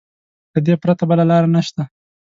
له دې پرته بله لاره نشته.